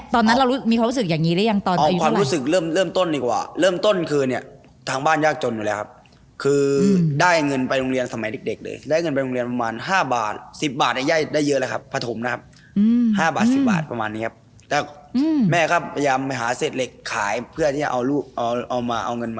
ตอนที่เรายังไม่ดังขนาดนี้ก็ยังมีคนดูอยู่ดีถูกไหม